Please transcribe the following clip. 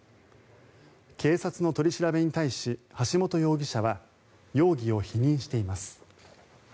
警察の取り調べに対し橋本容疑者は容疑を否認しています。